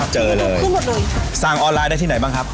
เจอเลยสั่งออนไลน์ได้ที่ไหนบ้างครับ